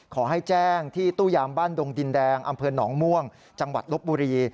ขอให้แจ้งที่ตู้ยามบ้านดงดินแดงอำเภอหนองม่วงจังหวัดลบบุรี